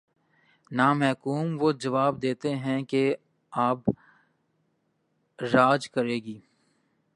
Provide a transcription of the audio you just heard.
نہ محکوم وہ خواب دیکھتے ہیں کہ:''اب راج کرے گی۔